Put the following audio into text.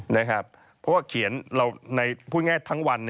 เพราะว่าเขียนเราพูดง่ายทั้งวัน